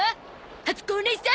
初子おねいさん